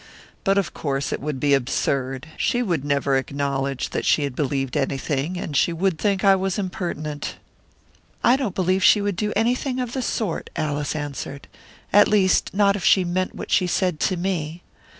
But of course it would be absurd; she would never acknowledge that she had believed anything, and she would think I was impertinent." "I don't believe she would do anything of the sort," Alice answered. "At least, not if she meant what she said to me.